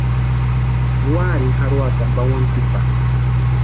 ¿Úarini jarhoatani pawani tsipa?